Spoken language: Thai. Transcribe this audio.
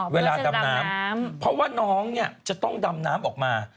เวลาดำน้ำเพราะว่าน้องเนี่ยจะต้องดำน้ำออกมา